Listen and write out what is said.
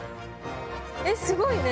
えっすごいね。